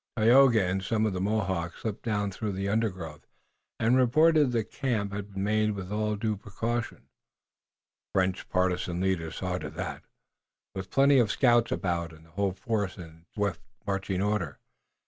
Tayoga and some of the Mohawks slipped down through the undergrowth and reported that the camp had been made with all due precaution the French partisan leaders saw to that with plenty of scouts about, and the whole force in swift, marching order.